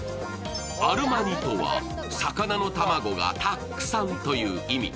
アルマニとは魚の卵がたくさんという意味。